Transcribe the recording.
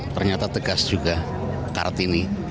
ternyata tegas juga karakter ini